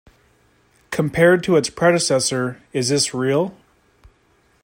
Compared to its predecessor, "Is This Real?